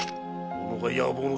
己が野望の